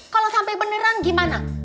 kalau sampai beneran gimana